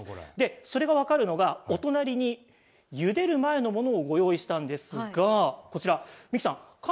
それが分かるのが、お隣にゆでる前のものをご用意したんですがこちら。